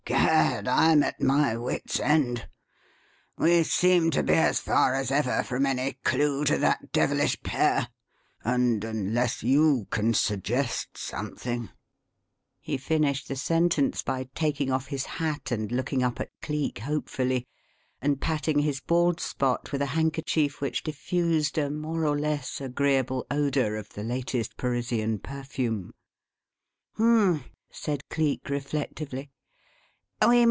"Gad! I'm at my wits' end. We seem to be as far as ever from any clue to that devilish pair and unless you can suggest something " He finished the sentence by taking off his hat, and looking up at Cleek hopefully, and patting his bald spot with a handkerchief which diffused a more or less agreeable odour of the latest Parisian perfume. "H'm!" said Cleek, reflectively.